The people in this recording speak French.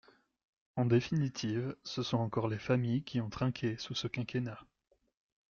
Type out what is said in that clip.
En définitive, ce sont encore les familles qui ont trinqué sous ce quinquennat.